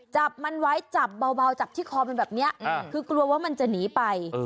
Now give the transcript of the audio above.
จับมันไว้จับเบาจับที่คอมันแบบนี้คือกลัวว่ามันจะหนีไป